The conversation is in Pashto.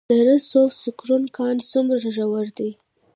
د دره صوف سکرو کان څومره ژور دی؟